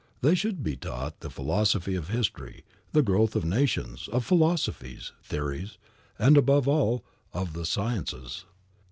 They should be taught the philosophy of history, the growth of nations, of philosophies, theories, and, above all, of the sciences.